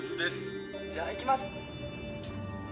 じゃあいきます